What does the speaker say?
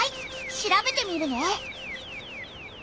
調べてみるね。